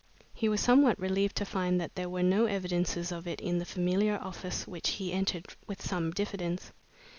He was somewhat relieved to find that there were no evidences of it in the familiar office which he entered with some diffidence.